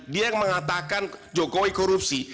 dia yang mengatakan jokowi korupsi